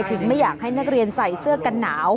ไม่อยากให้นักเรียนใส่เสื้อกันหนาว